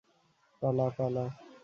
পালা, পালা!